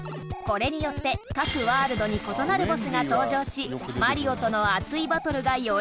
これによって、各ワールドに異なるボスが登場しマリオとの熱いバトルがより楽しめるようになった